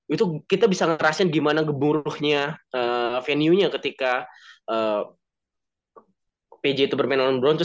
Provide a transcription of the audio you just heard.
itu kita bisa ngerasain gimana geburuhnya venue nya ketika pj itu bermain lawan broncos